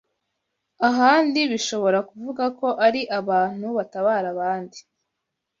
Ahandi bishobora kuvuga ko ari abantu batabara abandi